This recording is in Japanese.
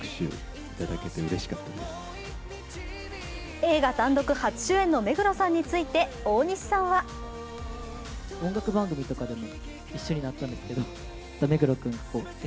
映画単独初主演の目黒さんについて大西さんはお茶目な一面も。